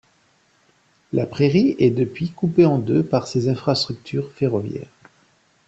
La Prairie est depuis coupée en deux par ces infrastructures ferroviaires.